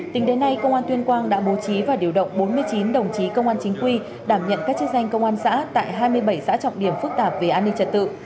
tính đến nay công an tuyên quang đã bố trí và điều động bốn mươi chín đồng chí công an chính quy đảm nhận các chức danh công an xã tại hai mươi bảy xã trọng điểm phức tạp về an ninh trật tự